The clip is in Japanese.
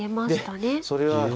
でそれは。